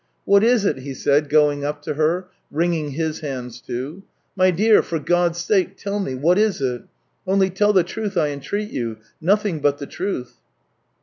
" What is it ?" he said, going up to her, wringing his hands too. " My dear, for God's sake, tell me — what is it ? Only tell the truth, I entreat you — nothing but the truth